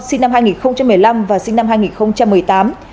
sinh năm hai nghìn một mươi năm và sinh năm hai nghìn một mươi tám